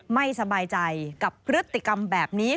ไม่สบายใจกับพฤติกรรมแบบนี้